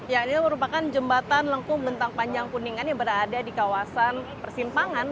ya ini merupakan jembatan lengkung bentang panjang kuningan yang berada di kawasan persimpangan